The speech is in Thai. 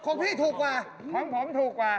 ของพี่ถูกกว่าของผมถูกกว่า